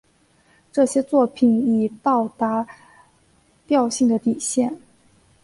这些作品已到达调性的底线。